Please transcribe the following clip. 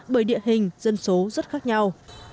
bởi địa hình dân số rất khác nhau